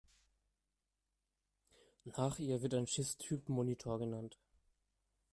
Nach ihr wird ein Schiffstyp Monitor genannt.